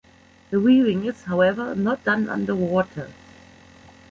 The weaving is, however, not done under water.